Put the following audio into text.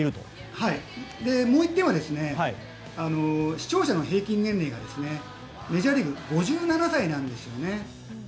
もう１点は視聴者の平均年齢がメジャーリーグは５７歳なんですね。